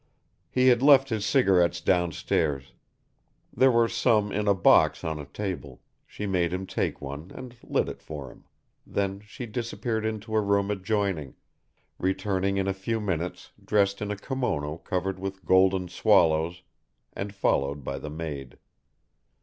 He had left his cigarettes down stairs; there were some in a box on a table, she made him take one and lit it for him, then she disappeared into a room adjoining, returning in a few minutes dressed in a kimono covered with golden swallows and followed by the maid.